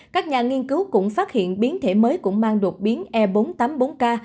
các nhà nghiên cứu cũng phát hiện biến thể mới cũng mang đột biến e bốn trăm tám mươi bốn k